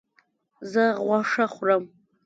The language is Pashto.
زه غوښه خورم